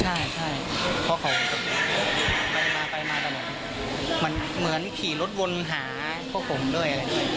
ปรุญลวดมาครับค่อนข้างจะครึ่งชั่วโมงได้